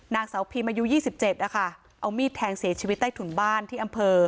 นางสาวพิมอายุ๒๗นะคะเอามีดแทงเสียชีวิตใต้ถุนบ้านที่อำเภอ